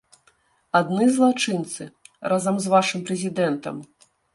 Адны злачынцы, разам з вашым прэзідэнтам!